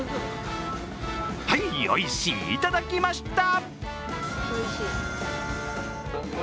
はい、おいしいいただきました！